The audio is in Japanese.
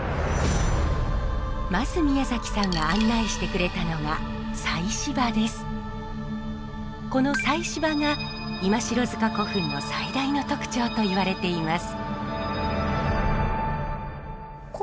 まず宮崎さんが案内してくれたのがこの祭祀場が今城塚古墳の最大の特徴と言われています。